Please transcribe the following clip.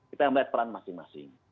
kita melihat peran masing masing